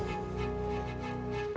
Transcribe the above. aku harus melayanginya dengan baik